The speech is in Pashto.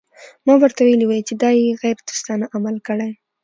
ما به ورته ویلي وای چې دا یې غیر دوستانه عمل کړی.